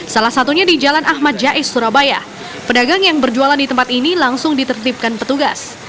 salah satunya di jalan ahmad jais surabaya pedagang yang berjualan di tempat ini langsung ditertipkan petugas